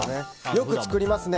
よく作りますね。